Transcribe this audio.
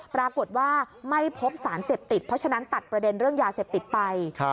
ปรากฏว่าไม่พบสารเสพติดเพราะฉะนั้นตัดประเด็นเรื่องยาเสพติดไป